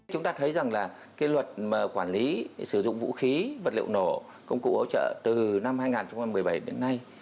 chúng ta thấy rằng là cái luật quản lý sử dụng vũ khí vật liệu nổ công cụ ấu trợ từ năm hai nghìn một mươi bảy đến nay